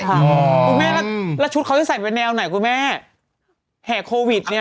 คุณแม่แล้วชุดเขาจะใส่เป็นแนวไหนคุณแม่แห่โควิดเนี่ย